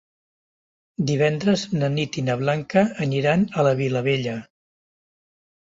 Divendres na Nit i na Blanca aniran a la Vilavella.